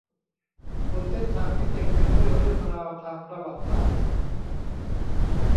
บนเส้นทางที่เต็มไปด้วยเรื่องราวทางประวัติศาสตร์